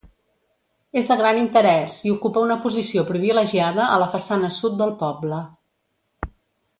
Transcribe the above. És de gran interès i ocupa una posició privilegiada a la façana sud del poble.